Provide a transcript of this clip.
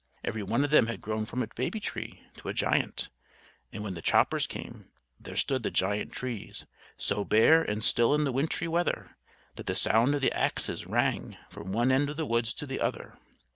Every one of them had grown from a baby tree to a giant; and when the choppers came, there stood the giant trees, so bare and still in the wintry weather that the sound of the axes rang from one end of the woods to the other.